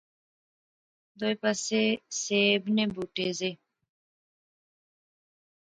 دوئے پاسے سیب نے بوٹے زے